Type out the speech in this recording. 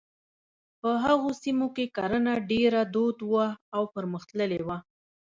په هغو سیمو کې کرنه ډېره دود وه او پرمختللې وه.